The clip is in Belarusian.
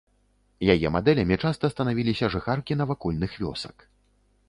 Яе мадэлямі часта станавіліся жыхаркі навакольных вёсак.